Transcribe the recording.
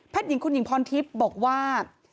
หญิงคุณหญิงพรทิพย์บอกว่า